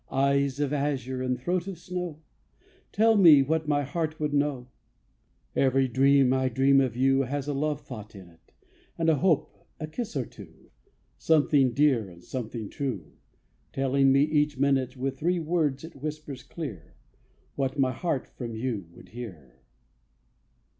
Eyes of azure and throat of snow, Tell me what my heart would know! Every dream I dream of you Has a love thought in it, And a hope, a kiss or two, Something dear and something true, Telling me each minute, With three words it whispers clear, What my heart from you would hear.